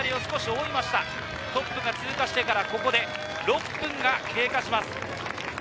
トップが通過してから６分が経過します。